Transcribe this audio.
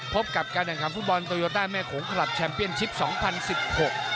พบกันกันครับฟุตบอลโตโยต้าแม่โขงคลับแชมเปียนชิป๒๐๑๖